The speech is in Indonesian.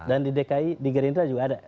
dan di dki di gerindra juga ada